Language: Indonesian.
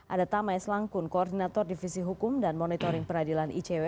ada tamai selangkun koordinator divisi hukum dan monitoring peradilan icw